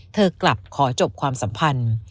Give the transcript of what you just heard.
เธอกลับขอจบความสัมพันธ์